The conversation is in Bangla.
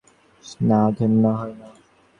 না, ঘেন্না হয় না।